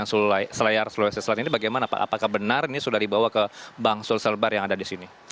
menurut yang selayar selayar ini bagaimana apakah benar ini sudah dibawa ke bank sulselbar yang ada di sini